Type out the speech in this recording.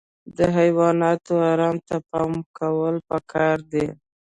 د حیواناتو ارام ته پام کول پکار دي.